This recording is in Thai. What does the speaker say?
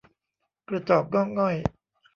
กระจอกงอกง่อย